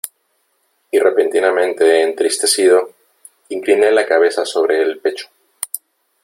y repentinamente entristecido , incliné la cabeza sobre el pecho .